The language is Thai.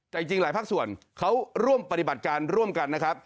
แต่จริงหลายภาคส่วนเขาร่วมปฏิบัติการร่วมกันนะครับ